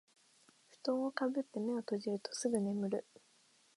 ふとんをかぶって目を閉じるとすぐ眠る